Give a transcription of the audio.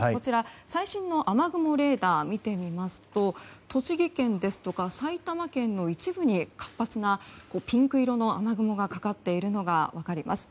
最新の雨雲レーダーを見てみますと栃木県ですとか埼玉県の一部に活発なピンク色の雨雲がかかっているのが分かります。